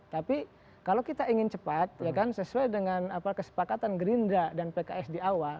tapi kalau kita ingin cepat sesuai dengan kesepakatan gerindra dan pks di awal